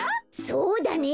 そうだね！